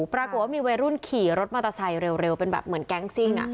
ปรากฏว่ามีวัยรุ่นขี่รถมอเตอร์ไซค์เร็วเป็นแบบเหมือนแก๊งซิ่ง